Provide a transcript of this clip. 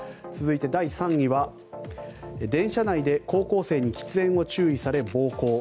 続いて第３位は、電車内で高校生に喫煙を注意され暴行。